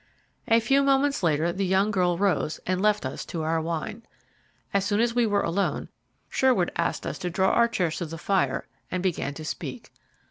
A few moments later the young girl rose and left us to our wine. As soon as we were alone, Sherwood asked us to draw our chairs to the fire and began to speak.